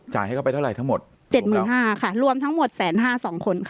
ให้เขาไปเท่าไหร่ทั้งหมดเจ็ดหมื่นห้าค่ะรวมทั้งหมดแสนห้าสองคนค่ะ